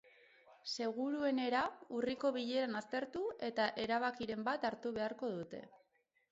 Seguruenera urriko bileran aztertu, eta erabakiren bat hartu beharko dute.